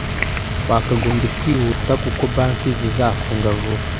Wakagombye kwihuta kuko banki zizafunga vuba.